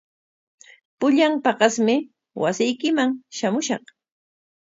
Pullan paqasmi wasiykiman shamushaq.